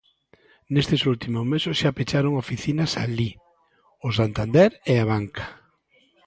Nestes últimos meses xa pecharon oficinas alí o Santander e Abanca.